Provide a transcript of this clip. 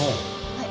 はい。